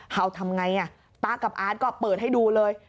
เขาทำยังไงต๊ะกับอาร์ทก็เปิดให้ดูเลย